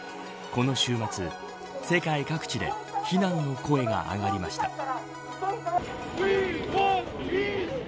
この週末、世界各地で非難の声が上がりました。